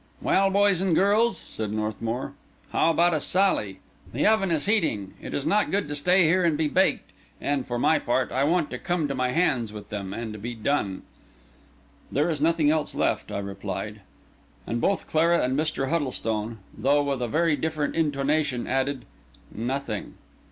"Well, boys and girls," said Northmour, "how about a sally? The oven is heating; it is not good to stay here and be baked; and, for my part, I want to come to my hands with them, and be done." "There is nothing else left," I replied. And both Clara and Mr. Huddlestone, though with a very different intonation, added, "Nothing."